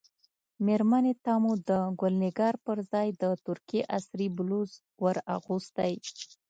مېرمنې ته مو د ګل نګار پر ځای د ترکیې عصري بلوز ور اغوستی.